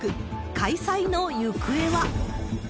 開催の行方は。